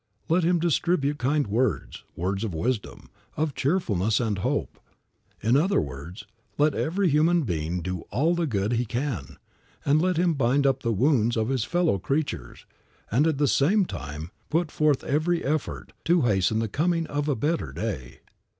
Let him distribute kind words, words of wisdom, of cheerfulness and hope. In other words, let every human being do all the good he can, and let him bind up the wounds of his fellow creatures, and at the same time put forth every effort, to hasten the coming of a better day.